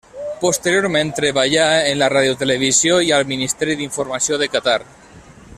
Posteriorment, treballà en la Radiotelevisió i al Ministeri d'Informació de Qatar.